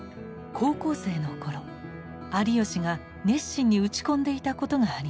高校生の頃有吉が熱心に打ち込んでいたことがあります。